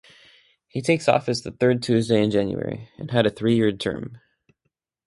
He takes office the third Tuesday in January and had a three-year term.